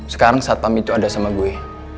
sekarang satpam itu ada sama gue